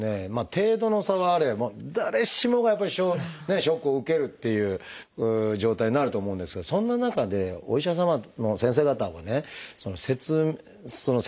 程度の差はあれ誰しもがやっぱりショックを受けるという状態になると思うんですがそんな中でお医者様の先生方はね説明をする。